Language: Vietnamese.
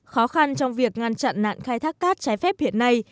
khó khăn trong việc ngăn chặn nạn khai thác cát trái phép hiện nay